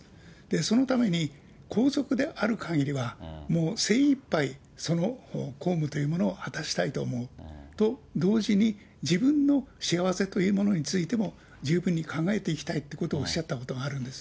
そのために皇族であるかぎりは、もう精いっぱい、その公務というものを果たしたいと思うと同時に、自分の幸せというものについても、十分に考えていきたいということをおっしゃったことがあるんです。